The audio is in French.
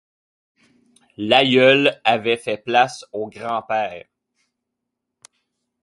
L'aïeul avait fait place au grand-père.